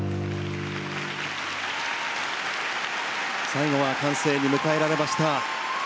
最後は歓声に迎えられました。